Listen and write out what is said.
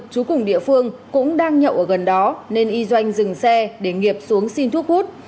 chú cùng địa phương cũng đang nhậu ở gần đó nên y doanh dừng xe để nghiệp xuống xin thuốc hút